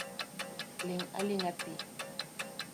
Ling'aling'a thi.